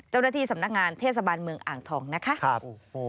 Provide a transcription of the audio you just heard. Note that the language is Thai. เจ้าหน้าที่สำนักงานเทศบาลเมืองอ่างทองนะคะครับโอ้โห